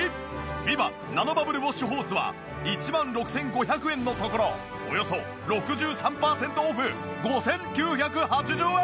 ビバナノバブルウォッシュホースは１万６５００円のところおよそ６３パーセントオフ５９８０円！